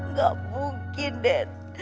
nggak mungkin den